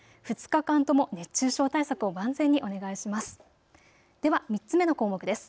２日間とも熱中症対策を万全にお願いします。